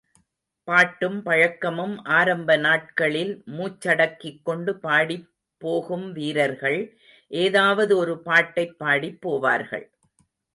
பாட்டும் பழக்கமும் ஆரம்ப நாட்களில், மூச்சடக்கிக் கொண்டு பாடிப் போகும் வீரர்கள், எதாவது ஒரு பாட்டைப் பாடிப் போவார்கள்.